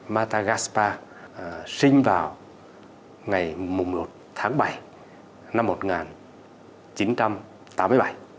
matagaspa sinh vào ngày một mươi một tháng bảy năm một nghìn chín trăm tám mươi bảy